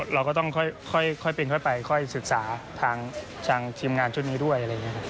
เราก็ต้องค่อยไปค่อยศึกษาทางทีมงานชุดนี้ด้วย